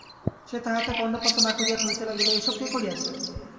সে তাহাতে কর্ণপাতও না করিয়া কহিতে লাগিল, এ-সব কে করিয়াছে?